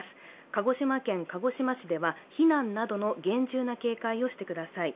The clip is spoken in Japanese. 鹿児島県鹿児島市では避難などの厳重な警戒をしてください